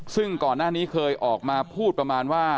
ซึ่งก่อนหน้านี้เคยออกมาพูดประมาณว่า